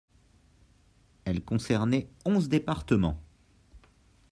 Elle concernait onze départements.